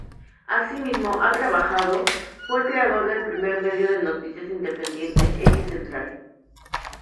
Asimismo ha trabajado fue el creador del primer medio de noticias independiente Eje Central".